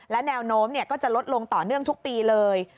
และแนวโน้มก็จะลดลงต่อเนื่องทุกปีเลย